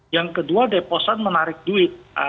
yang kedua deposan menarik duit